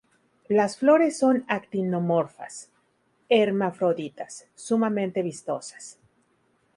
Las flores son actinomorfas, hermafroditas, sumamente vistosas.